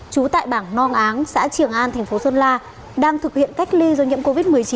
trú tại bảng nong áng xã trường an thành phố sơn la đang thực hiện cách ly do nhiễm covid một mươi chín